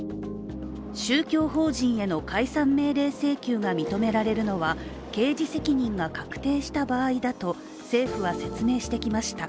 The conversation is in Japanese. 宗教法人への解散命令請求が認められるのは、刑事責任が確定した場合だと政府は説明してきました。